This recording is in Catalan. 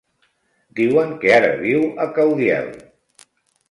Diuen que ara viu a Caudiel.